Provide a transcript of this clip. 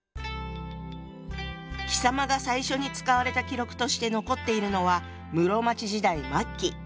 「貴様」が最初に使われた記録として残っているのは室町時代末期。